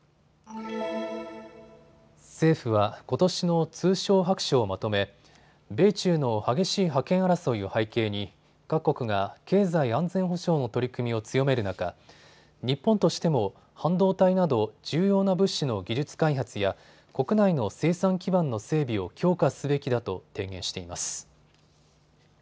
政府はことしの通商白書をまとめ米中の激しい覇権争いを背景に各国が経済安全保障の取り組みを強める中、日本としても半導体など重要な物資の技術開発や国内の生産基盤の整備を強化すべきだと提言しています。